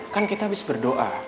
kan kita habis berdoa